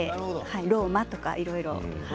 ローマとかいろいろ。